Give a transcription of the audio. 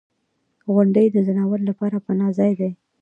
• غونډۍ د ځناورو لپاره پناه ځای دی.